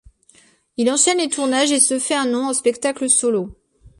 Il enchaîne les tournages et se fait un nom en spectacle solo.